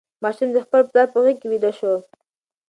ماشوم د خپل پلار په غېږ کې ویده شو.